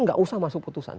nggak usah masuk keputusan